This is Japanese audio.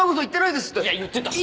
いや言ってたし。